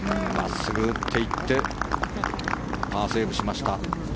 真っすぐ打っていってパーセーブしました。